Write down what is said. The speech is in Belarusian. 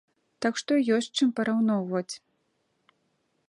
Так што ёсць з чым параўноўваць.